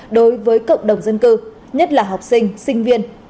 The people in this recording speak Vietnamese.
đối với cộng đồng dân cư nhất là học sinh sinh viên